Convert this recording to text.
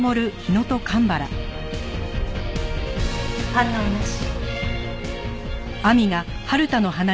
反応なし。